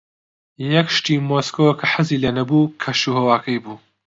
یەک شتی مۆسکۆ کە حەزم لێی نەبوو، کەشوهەواکەی بوو.